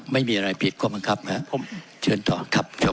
ไม่มีอะไรผิดก็บังคับครับ